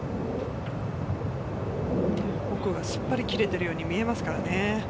奥がスッパリ切れてるように見えますからね。